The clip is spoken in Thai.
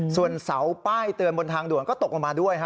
ส่วนเสาป้ายเตือนบนทางด่วนก็ตกลงมาด้วย